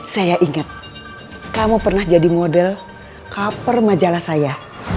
saya ingat kamu pernah jadi model kaper majalah saya